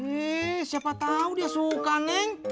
nih siapa tahu dia suka neng